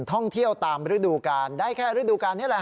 ท่องเที่ยวตามฤดูกาลได้แค่ฤดูการนี้แหละ